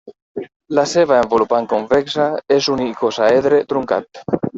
La seva envolupant convexa és un icosàedre truncat.